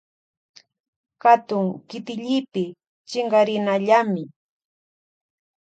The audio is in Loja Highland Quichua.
Katun kitillipi chinkarinallami.